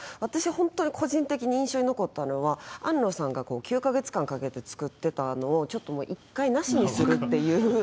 本当に個人的に印象に残ったのは庵野さんが９か月間かけて作ってたのをちょっと一回なしにするっていう。